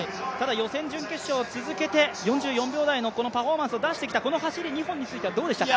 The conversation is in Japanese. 予選、準決勝、続けて４４秒台のパフォーマンスを出してきたこの走り、２本についてはどうでしたか？